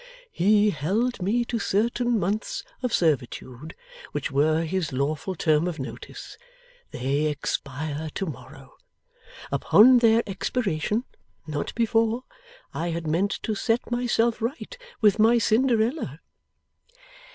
'He held me to certain months of servitude, which were his lawful term of notice. They expire to morrow. Upon their expiration not before I had meant to set myself right with my Cinderella.